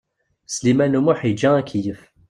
Sliman U Muḥ yeǧǧa akeyyef.